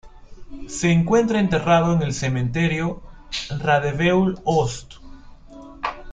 Se encuentra enterrado en el cementerio Radebeul-Ost.